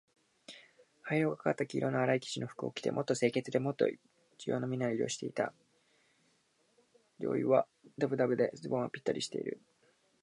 灰色がかった黄色のあらい生地の服を着て、もっと清潔で、もっと一様な身なりをしていた。上衣はだぶだぶで、ズボンはぴったりしている。